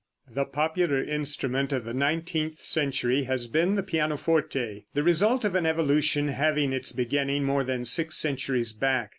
The popular instrument of the nineteenth century has been the pianoforte, the result of an evolution having its beginning more than six centuries back.